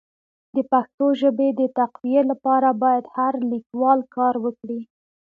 د پښتو ژبي د تقويي لپاره باید هر لیکوال کار وکړي.